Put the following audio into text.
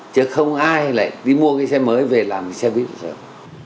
chứ không ai lại đi mua cái xe mới về làm cái xe buýt rợm